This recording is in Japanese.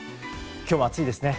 今日も暑いですね。